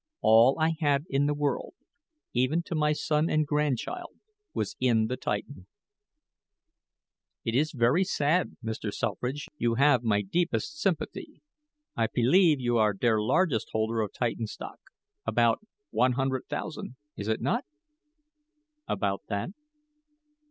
All I had in the world even to my son and grandchild was in the Titan." "It is very sad, Mr. Selfridge; you have my deepest sympathy. I pelieve you are der largest holder of Titan stock about one hundred thousand, is it not?" "About that."